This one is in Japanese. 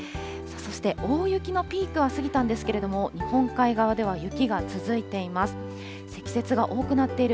そして、大雪のピークは過ぎたんですけれども、日本海側では雪が続いています。